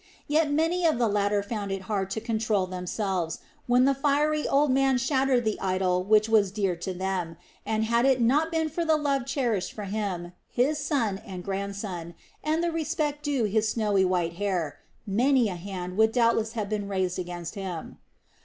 Yet many of the latter found it hard to control themselves when the fiery old man shattered the idol which was dear to them, and had it not been for the love cherished for him, his son, and his grandson, and the respect due his snow white hair, many a hand would doubtless have been raised against him.